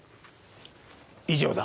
以上だ。